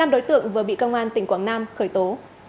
năm đối tượng vừa bị công an tp hcm khởi tố